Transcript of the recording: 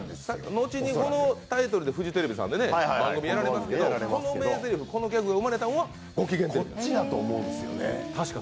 後のこのタイトルでフジテレビさんで番組やられますけどこの名ぜりふ、このギャグが生まれたのは、こっちだと。